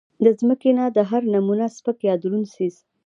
د زمکې نه د هر نمونه سپک يا درون څيز